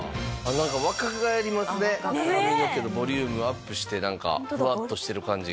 なんか若返りますね髪の毛のボリュームアップしてフワッとしてる感じが。